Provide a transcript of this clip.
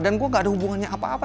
dan gue gak ada hubungannya apa apa